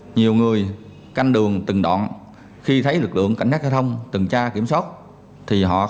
nhiều người canh đường từng đoạn khi thấy lực lượng cảnh sát giao thông từng tra kiểm soát thì họ